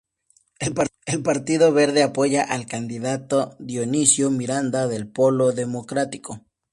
El Partido Verde apoya al candidato Dionisio Miranda del Polo Democrático.